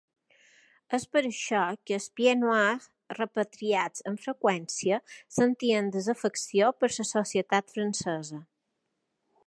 És per això que els pieds-noirs repatriats amb freqüència sentien desafecció per la societat francesa.